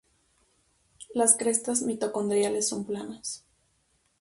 Las crestas mitocondriales son planas.